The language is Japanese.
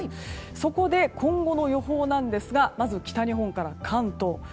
そこで、今後の予報なんですがまず北日本から関東。